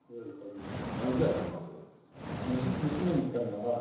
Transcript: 何時くらいに食べます？